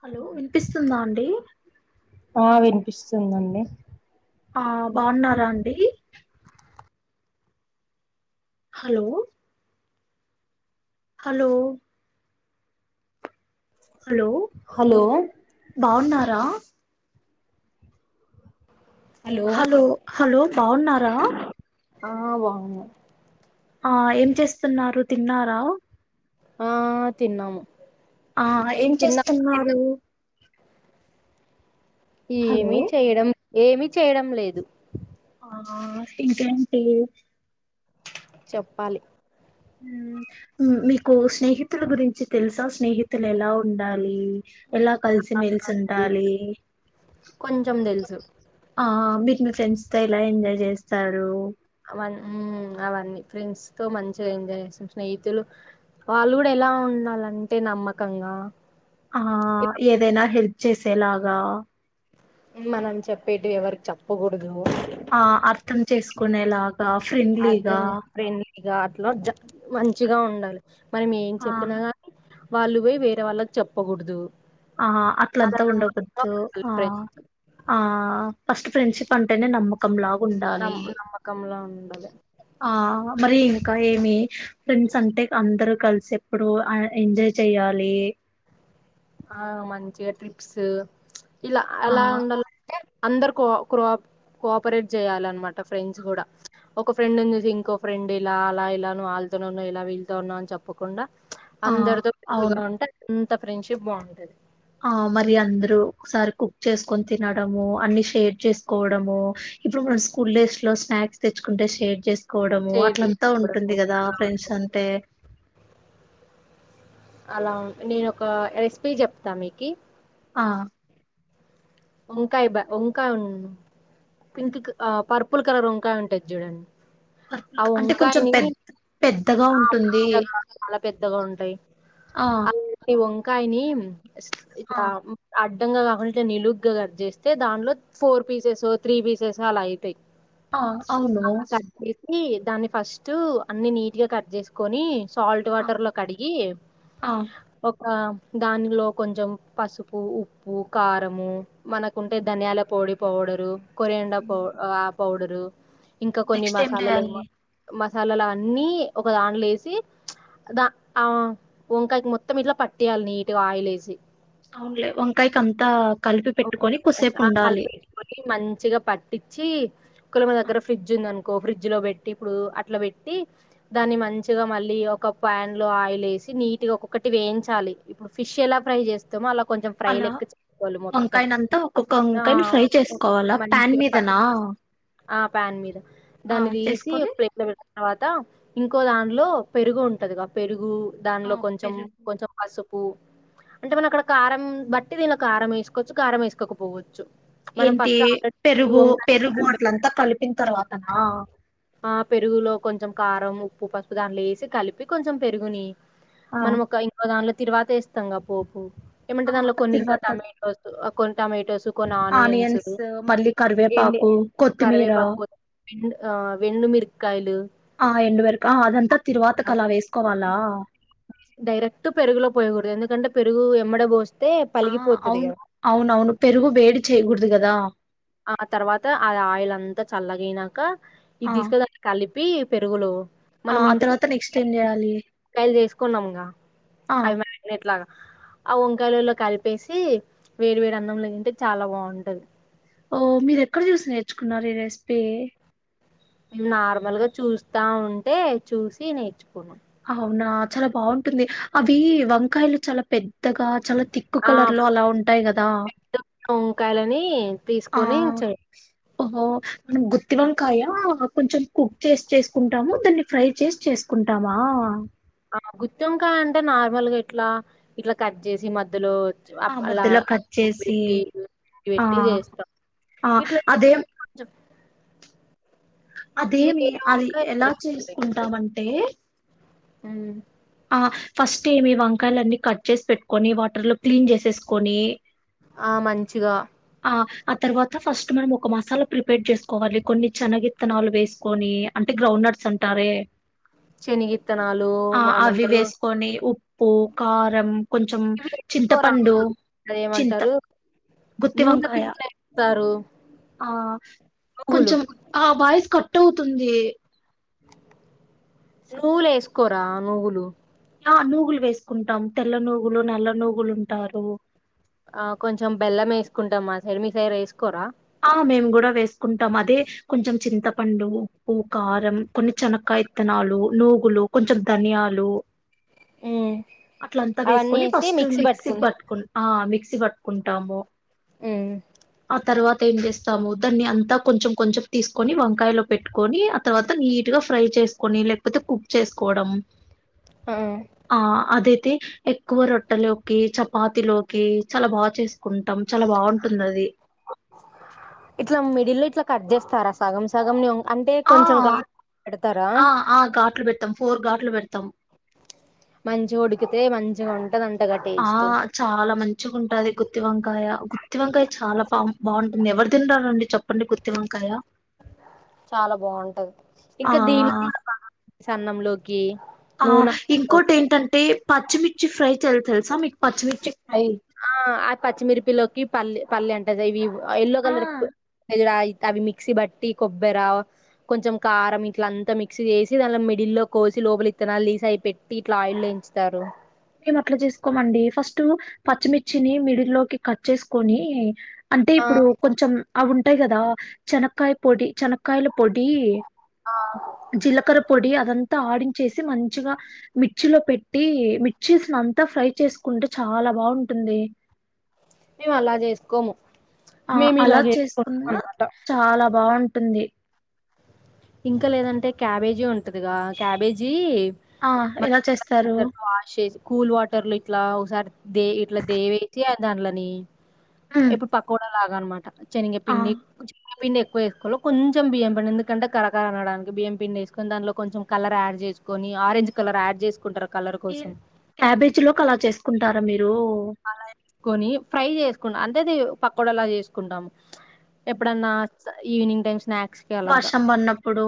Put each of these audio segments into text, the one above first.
Hello విన్పిస్తుందా అండి ఆ విన్పిస్తుందండి ఆ బావున్నారా అండి హలో హలో హలో బావున్నా రా హలో హలో బాగున్నారా ఆ బాగున్నాం ఆ ఏం చేస్తున్నారు తిన్నారా ఆ తిన్నాము ఆ ఏం తిన్నా చేస్తున్నారు హలో ఏమీ చేయడం ఏమీ చేయడం లేదు ఆ ఇంకేంటి చెప్పాలి మ్మ్ మీకు స్నేహితుల గురించి తెలుసా స్నేహితులు ఎలా ఉండాలి ఎలా కలిసి మెలిసి ఉండాలి కొంచెం తెలుసు ఆ మీ మీ ఫ్రెండ్స్ తో ఎలా ఎంజాయ్ చేస్తారు అవన్ మ్మ్ అవన్నీ ఫ్రెండ్స్ తో మంచిగా ఎంజాయ్ చేస్తాం, స్నేహితులు వాళ్ళు కూడా ఎలా ఉండాలంటే నమ్మకంగా, ఆ ఏదైనా హెల్ప్ చేసేలాగా మనం చెప్పేటివి ఎవరికి చెప్పకూడదు ఆ అర్థం చేసుకునేలా అర్థం చే [unintelligible] చిగా ఉండాలి మరి మేం ఆ చెప్పినా వాళ్ళువోయి వేరే వాళ్ళక్ చెప్పకూడదు ఆ అలా అట్లాలంత నమ్మకంగా ఉండగుద్తు ఉండాలి ఆ ఫ్రెండ్స్ ఆ ఫస్ట్ ఫ్రెడ్షిప్ అంటేనే నమ్మకం లా ఉండాలి నమ్ నమ్మకంలా ఉండాలి ఆ మరి ఇంకా ఏమి ఫ్రెండ్స్ అంటే అందరూ కలిసి ఎప్పుడు అ ఎంజాయ్ చెయాలి ఆ మంచిగా ట్రిప్స్ ఇల ఆ ఆలా ఉండాల్ అంటే అందరు కో క్రోప్ కోపరేట్ చెయాలన్మాటా మాట ఫ్రెండ్స్ కూడా ఒక ఫ్రెండ్ చూసి ఇంకో ఫ్రెండ్ ఇలా అలా ఎలా నువ వాళ్ళతో ఇలా వీళతోన్నా అని చెప్పకుండా ఆ అందరితో [unintelligible] అవును ఎంత ఫ్రెండ్షిప్ బాగుంటది ఆ మరి అందరు ఒకసారి కుక్ చేసుకొని తినడము అన్ని షేర్ చేసుకోవడము ఇప్పుడు మనం స్కూల్ డేస్ లో స్నాక్స్ తెచ్చుకుంటే షేర్ చేస్ కోడము షేర్ అట్లంతా చేసుకోవడం ఉంటుంది కదా అలా ఫ్రెండ్స్ ఉంటది అంటే అలా నేను ఒక రెసిపీ చెప్తా మీకి ఆ వంకాయ బ వంకాయ ఉ పింక్ పర్పుల్ కలర్ వంకాయ ఉంటుదయి ఉంటాయండి చూడండి పర్పుల్ ఆ అంటే కొంచెం వంకాయని పెద్ద పెద్దగా ఆ! ఉంటుంది పెద్దగా చాలా పెద్దగా ఆ కయని ఇలా అం అడ్ డాన్గ కాకుండా నిలుగ్గా కట్ చేస్తే దానిలో ఫోర్ పీసెస్ త్రీ పీసెస్ అలా అయితాయి ఆ అవును అలా కట్ చేసి దాన్ని ఫస్ట్ అన్ని నీట్ ఇటిగా కట్ చేసుకొని సాల్ట్ వాటర్లో కడిగి ఆ ఒక దానిలో కొంచెం పసుపు ఉప్పు కారము మనకుంటే ధనియాల పొడి పౌడరు కొరియండ పౌ హఅప్ పౌడరు ఇంకా కొన్ని నెక్స్ట్ ఏం మసాలాలు ఎమో చేయాలి మస్ హ లలల అన్నీ ఒక దాంట్లో ఎ సి దా వంకాయకి మొత్తం ఇట్లా పట్టేయాలి నీట్గా ఆయిల్ వేసి అవుండ్లే వంకాయకి అంతా కలిపి పెట్టుకొని కుసేపు ఉండాలి చి ఒకేళ మీ ఆ, దగ్గర ఫ్రిజ్ ఉంది అనుకో ఫ్రిడ్జ్ లో పెట్టి ఇప్పుడు అట్లా పెట్టి దాన్ని మంచిగా మళ్ళీ ఒక ప్యాన్ లో ఆయిల్ వేసి నీట్గా ఒక్కొక్కటి వేయించాలి ఇప్పుడు ఫిష్ ఎలా ఫ్రై చేస్తామో అలా కొంచెం ఫ్రై అలా లెక్క చేసుకోవాలి మొత్త వంకాయనంతా ఒక్కొక్క వంకాయని ఫ్రై చేసుకోవాల ప్యాన్ మంచిగా మీదనా పట్టేసి ఆ పాన్ మీద ఆ దాన్ని తీసి చేసుకొని ఒక ప్లేట్ లో పెట్ తర్వాత ఇంకో దానిలో పెరుగు ఉంటదిగా పెరుగు ఆ దానిలో కొంచెం పెరుగు కొంచెం పసుపు అంటే మనం అక్కడ కారం బట్టి దీనిలో కారం వేసు కోచ్చు కారం వేసుకపోవచ్చు ఏంటి పెరుగు పెరుగు కారం పె అట్లంతా కలిపిన తర్వాత ఆ ఆ పెరుగులో కొంచెం కారం ఉప్పు పసుపు దాంట్లో వేసి కలిపి కొంచెం పెరుగుని ఆ మనం ఒక ఇంకో దానిలో తిరువాత వీస్తాంగా పోపు ఏమంటే ఆ దానిలో కొన్ని ఇంకా తర్వాత [unintelligible] కొన్ టమేటోసు ఆనియన్స్ మళ్ళీ ఎండి కరివేపాకు కొత్తిమీర కరివేపాకు ఎండు ఆ ఎండు మిరపకాయలు ఆ ఎండ మిరకా అదంతా తిరువాతకి అలా వేసుకోవాలా, డైరెక్ట్ పెరుగులో పోయకూడదు ఎందుకంటే పెరుగు ఎమ్మ డే బోస్ ఆ అవును అవును అవును పెరుగు వేడి చేయకూడదు కదా ఆ తర్వాత ఆ ఆయిల్ అంతా చల్లగయినాక ఇది ఆ దీస్కవోయ్ కలి పి పెరుగు లో ఆ మనం ఆ ఇంత తర్వాత నెక్స్ట్ ఏం [unintelligible] చేయాలి కాయలు చేసుకున్నాముగా ఆ అవి మరి ఎట్లాగా ఆ వంకాయలులో కలిపేసి వేడి వేడి అన్నంలో తింటే చాలా బాగుంటది ఓ మీరు ఎక్కడ చూసి నేర్చుకున్నారు ఈ రెసిపీ మేము నార్మల్ గా చూస్తా ఉంటే చూసి నేర్చుకున్నా అవునా చాలా బాగుంటుంది అవి వంకాయలు చాలా పెద్దగా చాలా తిక్కు ఆ కలర్ లో అలా ఉంటాయి కదా పెద్ద వంకాయలని ఆ తీసుకొని చే హో మనం గుత్తి వంకాయ కొంచెం కుక్ చేసి చేసుకుంటాము దాన్ని ఫ్రై చేసి చేసుకుంటాము వా ఆ గుత్తివంకాయ్ అంటే నార్మల్గా ఎట్లా ఇట్లా కట్ చేసి మధ్యలో ఆ అలా మధ్యలో కట్ చేసి పెట్టి ఆ పెట్టి చేస్తాం ఆ ఇట్లా చేకు అదే కొం అదేమి అది వేరొక ఎలా చేసుకుంటామంటే అ ఆ ఫస్ట్ ఏమి వంకాయలున్ని కట్ చేసి పెట్టుకొని వాటర్ లో క్లీన్ చేసేసుకొని ఆ మంచిగా ఆ ఆ తర్వాత ఫస్ట్ మనం ఒక మసాలా ప్రిపేర్ చేసుకోవాలి కొన్ని చనగిత్తనాలు వేసుకొని అంటే గ్రౌండ్ నట్స్ అంటారే శనిగిత్తనాలు అమంటారు పోకారం కొంచం వేసుకోరా చింతపండు చింత అదేమంటారు గుత్తి నూనె తివకాయ పిండిలో వేస్తారు ఆ నువ్వులు కొంచం ఆబా కట్ అవుతుంది నువ్వులే వేసుకోరా నువ్వులు నూగులు వేసుకుంటాం తెల్ల నూగులు నల్ల నూగులు ఉంటారు ఆ కొంచెం బెల్లం వేసుకుంటాం మా సైడ్ మీ సైడ్ వేసుకోరా ఆ మేము కూడా వేసుకుంటాం అదే కొంచెం చింతపండు ఉప్పు కారం కొన్ని చెనకా విత్తనాలు నూగులు కొంచెం ధనియాలు ఉమ్. అట్లంతా అవన్నీ వేసుకొని వేసి ఫస్ట్ మిక్సీ పట్టుకుం పట్టుకుని ఆ మిక్స సి పట్టుకుంటాము ఆ తరువాత ఏం చేస్తాము దాన్ని అంతా కొంచెం కొంచెం తీసుకొని వంకాయలో పెట్టుకొని ఆ తర్వాత నీట్ గా ఫ్రై చేసుకొని లేకపోతే కుక్ చేసుకోవడం ఆ అదేతే ఎక్కువ రొట్టెలోకి చపాతిలోకి చాలా బాగా చేస్త కుంటాం చాలా బాగుంటుంది అది ఇట్లా మిడిల్ లో ఇట్లా కట్ చేస్తారా సగం సగంని ఆ ఆ ఆ ఘాట్లు పెడతాం ఫోర్ ఘాట్లు పెడతాం తం మంచిగ వుడికితే మంచిగా ఉంటది ఆ చాలా మంచిగా ఉంటది గుత్తివంకాయ గుత్తివంకాయ చాలా ఫామ్ బాగుంటుంది ఎవరు తిన్నారండి చెప్పు గుత్తివంకాయ చాలా బాగుంటది ఆ ఇంకా దీనిలో కూడా బాగా అన్నంలోకి ఆ నూనె ఇంకోటి లోకి ఏంటంటే పచ్చిమిర్చి ఫ్రై తెల్ తెలుసా మీకు పచ్చిమిచ్చి ఆ ఆ పచ్చిమిరిపిలోకి పల్లె పల్లె అంటది ఇవి ఎల్లో ఆ కలర్ పయి అవి మిక్సీ బట్టి కొబ్బర కొంచెం కారం ఇట్లా అంతా మిక్సీ చేసి దట్లా మిడిల్లో కోసి లోపలి ఇత్తనా లీసి అయి పెట్టి ఇట్లా ఆయిల్ వేయించుతారు మేము అట్లా చేసుకోమండి ఫస్ట్ పచ్చిమిర్చిని మిడి లోకి కట్ చేసుకొని అంటే ఆ ఇప్పుడు కొంచెం అవి ఉంటాయి కనక్కయ పొడి చెనకాాయల పొడి ఆ జీలకర పొడి అదంతా తా ఆడించేసి మంచిగా మిర్చిలో పెట్టి మి చీస్ ను అంతా ఫ్రై చేసుకుంటే చాలా బాగుంటుంది మేము అలా చేసుకోము ఆ మేము ఇలా అలా చేసుకుంటాం చేసుకున్నా అనమాట చాలా బాగుంటు టుంది ఇంకా లేదంటే క్యాబేజీ ఉంటదిగా క్యాబేజీ ఆ ఎలా చేస్త దాన్ని వాష్ చేసి కూల్ వాటర్లు ఇట్లా ఒకసారి దే ఇట్లా దేవేసి దాంట్లోని ఉమ్, ఎప్పుడు పకుడా లాగా అన్నమాట శనిగ ఆ పిండి శనిగా పిండి ఎక్వేసుకోవాలే కొంచె బియ్యం పిండి ఎందుకంటే కర కర అనడానికి బియ్యం పిండేసుకొని దాంట్లో కొంచెం కలర్ ఆడ్ చేసుకొని ఆరెంజ్ కలర్ ఆడ్ చేసుని కుంటరు ఈ క్యాబేజీ లోకి అలా చేసుకుంటార అలా వేసుకొని ఫ్రై చేసుకుం అ అదేది పకోడలా చేసుకుంటాము ఎప్పుడన్నా ఈవినింగ్ టైమ్ స్నాక్స్ కి అలాగా వర్షం పడినప్పుడు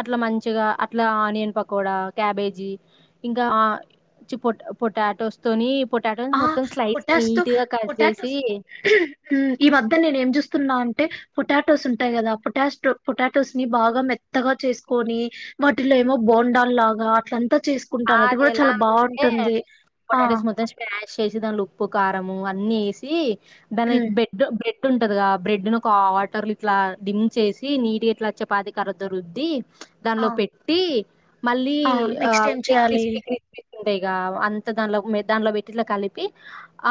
అట్లా మంచిగా అట్లా ఆనియన్ పకోడా క్యాబేజీ ఇంకా చి పొ పొటాటోస్ తోని పొటాటోస్ ఆ మొత్తం స్లైస్ నీట్ పొటాస్తోతో గా కట్ చేసి పొటాటోస్ తో ఈ మధ్య నేను ఏం చూస్తా న్నా అంటే పొటాటోస్ ఉంటాయి కదా పొటాష్టో పొటాటోస్ ని బాగా మెత్తగా చేసుకొని వాటిలో ఏమో బోండాల్ లాగా అట్లా అత్త చేసుకుంటా అది కూడా చాలా బాగుంటుంది ఆ చేసిదాంట్లో ఉప్పు కారము అన్నీ వేసి దని బెడ్ బ్రెడ్ డ్ ఉంటది గా బ్రెడ్ ను ఒక వాటర్ ఇట్లా డిమ్ చేసి నీటిగా ఇట్లా చపాతి కర్రతో రుద్ది ఆ దానిలో పెట్టి మళ్ళీ ఆ నెక్స్ట్ ఏం చేయాలి క్రిస్ప్ క్రిస్ప్ ఉండేగా అంత దానిలో దాంట్లో పెట్టి ఇట్ల కలిపి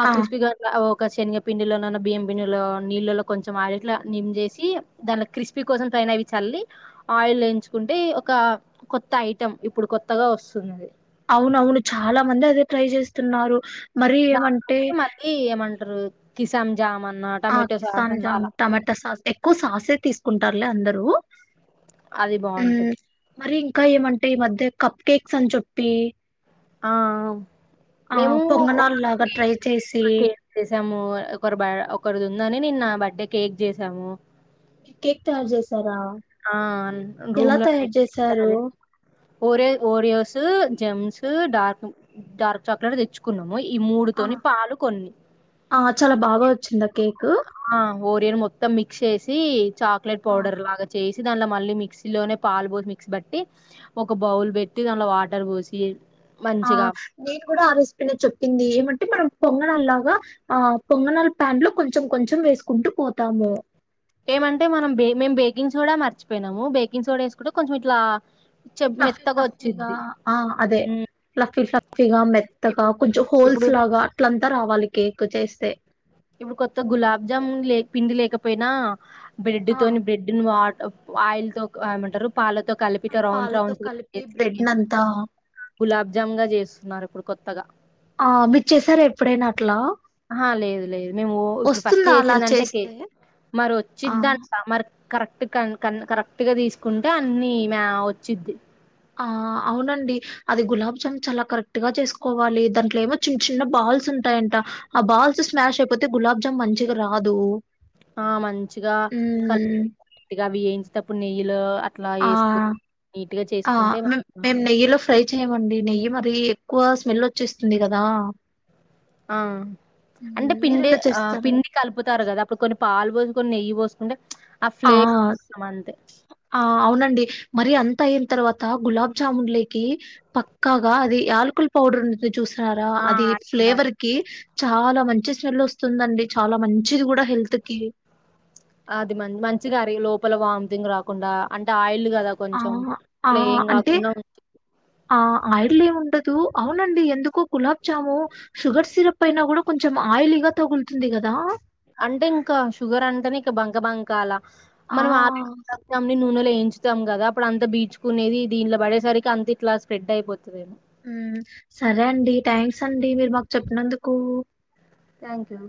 ఆ క్రిస్పి గట్ల ఓ ఒక శనగపిండిలో నన్న బియ్యం పిండిలో నీళ్ళలో కొంచెం ఆయిల్ ఇట్లా నిమ్ చేసి దానిలో క్రిస్పీ కోసం పైన అవి చల్లి ఆయిల్ వేయించుకుంటే ఒక కొత్త ఐటెం ఇప్పుడు కొత్తగా వస్తు సున్నది అవునవును చాలా మంది అదే ట్రై చేస్తున్నారు మరి ఏమంటే టరు కిసాన్ ఆ కిసాన్ జామ్ టమాటా సాస్ ఎక్కువ సాసే తీసుకుంటా టారులే అందరు అది బావుంటది మరి ఇంకా ఏమంటే ఈ మధ్య కప్ కేక్స్ అని చెప్పి ఆ ఆ ఆ పొంగనాలు లాగా ట్రై చేసి కేక్ చేసాము ఒకరు బ ఒకరిది ఉందని నిన్న బర్త్డే కేక్ చేసాము మీరు కేక్ తయారు చేసారా ఆ ఎలా రూమ్ లో తయారు కేక్ తయారు చేశారు చేసాము Oreo Oreos Gems dark dark chocolate తెచ్చుకున్నాం ఆ ఆ చాలా బాగా వచ్చిందా కే ఆ ఓరియన్ మొత్తం మిక్స్ చేసి చాక్లెట్ ఆ పౌడర్ లాగా చేస్ సి దాన్ల మళ్ళీ మిక్సీలోనే పాలు పోసి మిక్సీ బట్టి ఒక బౌల్ పెట్టి దాంట్లో వాటర్ పోసి ఆ మంచిగా నేను కూడా ఆ రెసిపీ నే చెప్పింది ఏమంటే మనం పొంగనాలు లాగా ఆ పొంగణాల ప్యాన్ లో కొంచెం కొంచెం వేసుకుంటూ పోతాము ఏమంటే మనం బే మేం బేకింగ్ సోడా మర్చిపోయినాము బేకింగ్ సోడా ఏసుకుంటే కొంచెం ఇట్లా చె ఫ్లఫ్ఫి మెత్తగా ఫ్లఫ్టీ గా వచ్చిద్ది ఆ అదే ఉమ్, ఫ్లఫ్ఫి ఫ్ల ఫీగా మెత్తగా ఇప్పుడు కొంచెం హోల్స్ ఇప్పుడు లాగా అట్లంతా రావాలి కేక్ చేస్ తే ఇప్పుడు కొత్త గులాబ్ జామున్ లే పిండి లేకపోయినా బ్రెడ్ ఆ తోని బ్రెడ్డును వా తప్పు ఆయిల్ తో క్ ఏమంటారు పాలతో కలిపి క రౌండ్ పాలతో రౌన్స్ కలిపి బ్రెడ్ నంతా [inaudible] గులాబ్జామ్ గా చేస్తున్నారు ఇప్పుడు కొత్తగా ఆ మీరు చేసారా ఎప్పుడైనా అట్లా ఆహా లేదు లేదు మేము ఇప్పుడు ఫస్ట్ వస్తుందా అలా చేసిందంటే చేస్తే కేక్ మరి ఆ వచ్చిద్దంట మర్ కరెక్ట్ కన్ కన్ కరెక్ట్గా తీసుకుంటే అన్నీ మా వచ్చిద్ది. ఆ అవునండి. అది గులాబ్ జామ్ చాలా కరెక్ట్ గా చేసుకోవాలి. దాంట్లో ఏమో చిన్న చిన్న బాల్స్ ఉంటాయంట, ఆ బాల్స్ స్మాష్ అయిపోతే గులాబ్ జామ్ మంచిగా రాదూ. ఆ మంచిగా కలిపి [inaudible] కరెక్ట్గా గా అవి యేన్చ్ టప్పుడు నెయ్యిలో అట్లా ఆ వేసుకు నీట్గా ఆ చేసుకుంటే మేం మంచిగా మేము నెయ్యిలో ఫ్రై చెయ్ యమండి నెయ్యి మరీ ఎక్కువ స్మెల్ వచ్చేస్తుంది కదా. ఆ అంటే మీరు పిండి ఎలా ఆ చేస్తారండి పిండి కలుపుతారు గదా అప్పుడు కొన్ని పాలు పోసి కొన్ని నెయ్యి పోసుకుంటే ఆ ఫ్లేవర్ కోసం అంతే ఆ అవునండి. మరీ అంత అయిన్ తర్వాత గులాబ్ జామున్ లేకీ పక్కాగా అది యాలకుల్ పౌడర్ ఉంటి చూసినారా ఆ అది ఉండాలి ఫ్లేవర్ కి చాలా మంచి స్మెల్ వస్తుందండి. చాలా మంచిది కూడా హెల్త్ కీ. అది మం మంచిగా అరె లోపల వామితింగ్ రాకుండా అంటే ఆయిల్ కదా ఆ కొంచెం ఆ అట్లా ఏం అంటే కాకుండా ఉం- ఆ ఆయల్లేముండద్ అవునండి ఎందుకో గులాబ్ జాము షుగర్ సిరప్ అయినా కూడా కొంచెం ఆయిలీగా తగులుతుంది కదా. అంటే ఇంకా షుగర్ అంటనే ఇంక బంక బంకా అలా ఆ మనం ఆల్రెడీ గులాబ్ జామున్ నీ నూనె లో ఏంచ్ చుతాం గదా అప్పుడు అంత బీచుకునేది దీనిలో పడేసరికి అంత ఇట్లా స్ప్రెడ్ అయిపోతది ఏమో. ఉమ్ సరే అండి థ్యాంక్స్ అండి మీరు మాకు చెప్పినందుకూ. Thank you